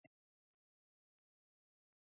এখন একমাত্র চাকরিটা হারিয়েছি।